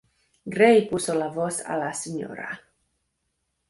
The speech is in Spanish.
Gray puso la voz a la Sra.